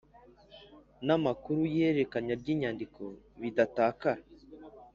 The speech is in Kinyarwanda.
N amakuru y ihererekanya ry inyandiko bidatakara